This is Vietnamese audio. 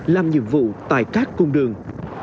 làm nhiệm vụ tại các cung đường